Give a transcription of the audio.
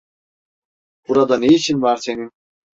Burada ne işin var senin?